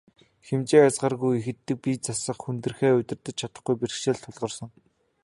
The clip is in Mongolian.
Хэмжээ хязгааргүй их иддэг, бие засах, хүндрэхээ удирдаж чадахгүй бэрхшээл тулгарсан.